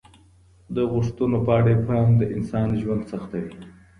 د غوښتنو په اړه ابهام د انسان ژوند سختوي.